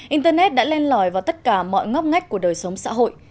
internet đã lên lòi vào tất cả mọi ngóc ngách của đời sống xã hội